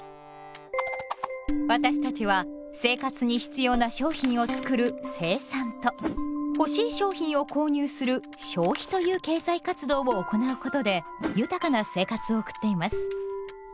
私たちは生活に必要な商品を作る生産と欲しい商品を購入する消費という経済活動を行うことで豊かな生活を送っています。